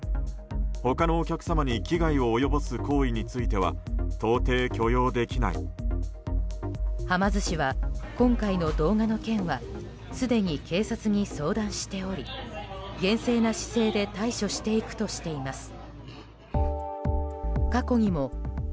はま寿司は、今回の動画の件はすでに警察に相談しており厳正な姿勢で対処していくとしています。